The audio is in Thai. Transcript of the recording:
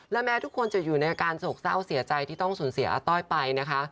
และแม้ทุกคนจะอยู่ในอาการโศกเศร้าเสียใจที่ต้องสูญเสียอาต้อยไปนะคะ